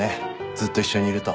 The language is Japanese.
ずっと一緒にいると。